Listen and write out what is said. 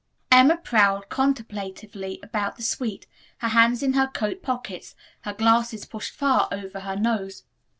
Emma prowled contemplatively about the suite, her hands in her coat pockets, her glasses pushed far over her nose.